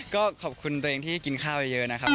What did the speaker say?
ก็ขอบคุณตัวเองที่กินข้าวเยอะนะครับ